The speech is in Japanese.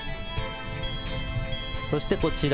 そしてこちら。